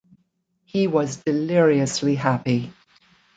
He was deliriously happy.